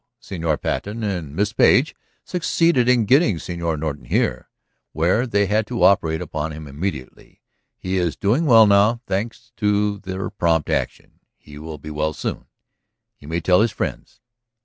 Señor Patten and Miss Page succeeded in getting Señor Norton here, where they had to operate upon him immediately. He is doing well now, thanks to their prompt action; he will be well soon. You may tell his friends."